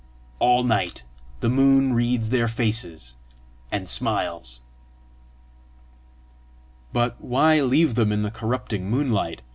All night the moon reads their faces, and smiles." "But why leave them in the corrupting moonlight?"